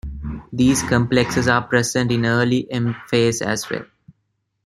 These complexes are present in early M phase as well.